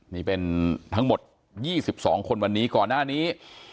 นี่เป็นทั้งหมด๒๒คนวันนี้ก่อนหน้านี้